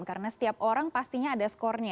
karena setiap orang pastinya ada skornya